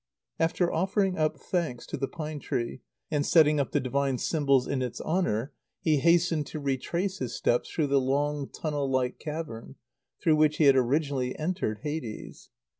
After offering up thanks to the pine tree, and setting up the divine symbols in its honour, he hastened to retrace his steps through the long, tunnel like cavern, through which he had originally entered Hades.